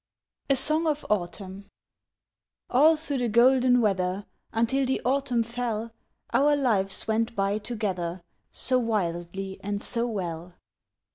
A SONG OF AUTUMN All through the golden weather Until the autumn fell, Our lives went by together So wildly and so well.